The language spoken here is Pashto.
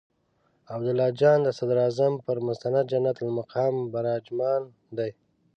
عبدالله جان د صدراعظم پر مسند جنت المقام براجمان دی.